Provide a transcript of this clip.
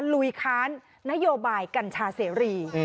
ลุยค้านนโยบายกัญชาเสรี